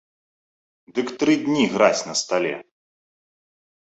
Дык тры дні гразь на стале.